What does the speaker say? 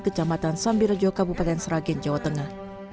kecamatan sambirejo kabupaten seragen jawa tengah